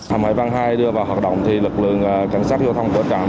hầm hải vân ii đưa vào hoạt động thì lực lượng cảnh sát giao thông của trạm